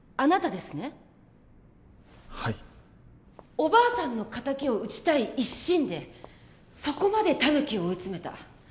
おばあさんの敵を討ちたい一心でそこまでタヌキを追い詰めた。